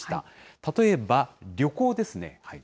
例えば旅行ですね。